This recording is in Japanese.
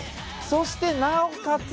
そして、なおかつ